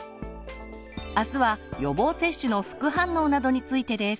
明日は予防接種の副反応などについてです。